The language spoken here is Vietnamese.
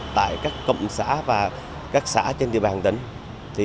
tại các cộng xã và các xã trên địa bàn tỉnh